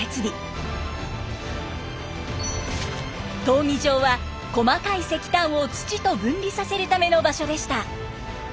闘技場は細かい石炭を土と分離させるための場所でした。